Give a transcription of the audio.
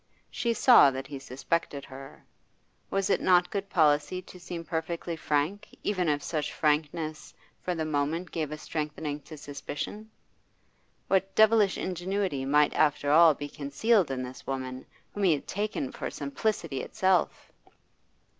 She saw he suspected her; was it not good policy to seem perfectly frank, even if such frankness for the moment gave a strengthening to suspicion? What devilish ingenuity might after all be concealed in this woman, whom he had taken for simplicity itself!